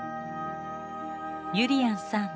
ゆりやんさん